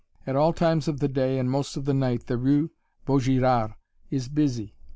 At all times of the day and most of the night the rue Vaugirard is busy.